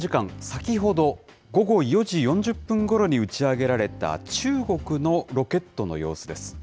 先ほど午後４時４０分ごろに打ち上げられた中国のロケットの様子です。